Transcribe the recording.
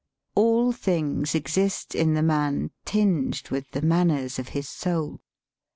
All things exist in the man tinged with the manners of his soul.